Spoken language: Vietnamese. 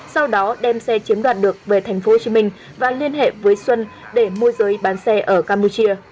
sau đó đem xe chiếm đoạt được về tp hcm và liên hệ với xuân để môi giới bán xe ở campuchia